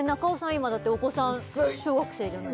今だってお子さん小学生じゃない？